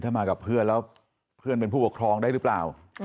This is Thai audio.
ถ้ามากับเพื่อนแล้วเพื่อนเป็นผู้ปกครองได้หรือเปล่า